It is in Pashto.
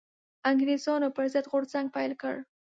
انګرېزانو پر ضد غورځنګ پيل کړ